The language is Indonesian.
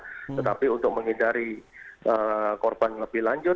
tetapi untuk menghindari korban lebih lanjut